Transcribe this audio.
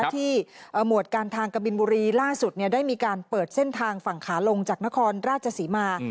หมวดการทางกบินบุรีล่าสุดได้มีการเปิดเส้นทางฝั่งขาลงจากนครราชศรีมา